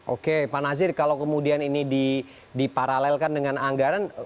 oke pak nazir kalau kemudian ini diparalelkan dengan anggaran